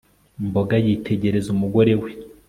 mboga yitegereza umugore we